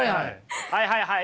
はいはいはい。